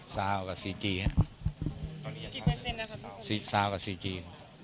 เซาและเซียซากับซีกี